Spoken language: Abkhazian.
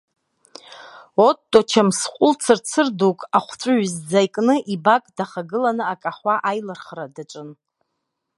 Отто, чамсҟәыл цырцыр дук ахәҵәы ҩызӡа икны, ибак дахагыланы, акаҳуа аилырхра даҿын.